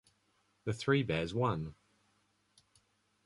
The Three Bears won.